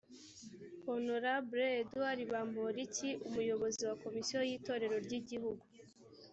honorable edouard bamporiki umuyobozi wa komisiyo y itorero ry igihugu